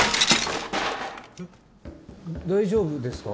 大丈夫ですか？